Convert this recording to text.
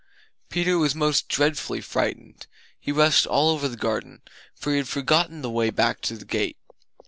Peter was most dreadfully frightened; he rushed all over the garden, for he had forgotten the way back to the gate.